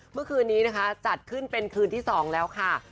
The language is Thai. เมื่อคืนนี้นะคะจัดขึ้นเป็นคืนที่๒แล้วค่ะ